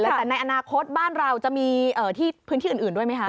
แต่สุดที่หน่อยในอนาคตบ้านเราจะมีพื้นที่อื่นด้วยไหม